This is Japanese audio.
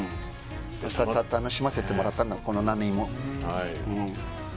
楽しませてもらったからここ何年も。